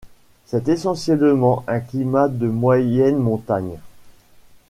C'est essentiellement un climat de moyenne montagne.